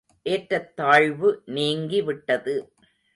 ஏற்றத் தாழ்வு நீங்கி விட்டது.